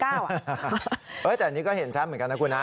แต่อันนี้ก็เห็นชัดเหมือนกันนะคุณฮะ